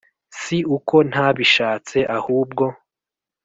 Si uko ntabishatse Ahubwo